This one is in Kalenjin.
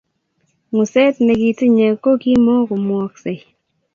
Nguset ne kitinyei ko kimukomwooksei